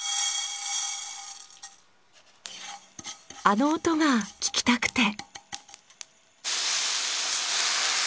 あの音が聞きたくて。